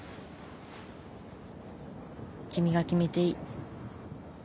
君が決めていい